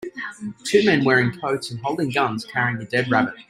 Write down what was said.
Two men wearing coats and holding guns carrying a dead rabbit.